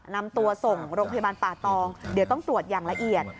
นำตัวส่งโรงพยาบาลป่าตองเดี๋ยวต้องตรวจอย่างละเอียด